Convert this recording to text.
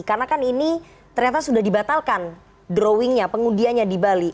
karena kan ini ternyata sudah dibatalkan drawingnya pengundiannya di bali